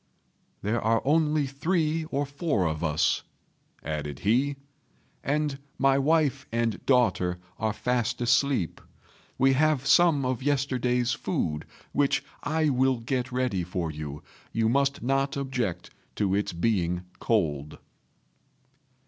"There are only three or four of us," added he; "and my wife and daughter are fast asleep. We have some of yesterday's food, which I will get ready for you; you must not object to its being cold."